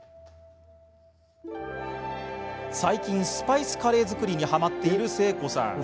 最近、スパイスカレー作りにはまっている誠子さん。